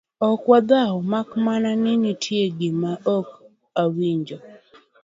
ok wadhao mak mana ni nitie gima ok awinji